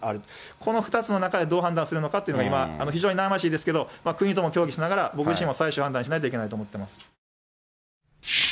この２つの中でどう判断するのかというのが今、非常に悩ましいですけど、国とも協議しながら、僕自身も最終判断しないといけない